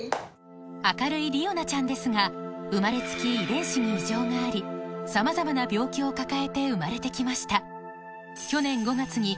明るい理央奈ちゃんですが生まれつきがありさまざまな病気を抱えて生まれてきました